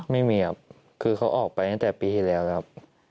ไม่มีครับคือเขาออกไปตั้งแต่ปีที่แล้วครับ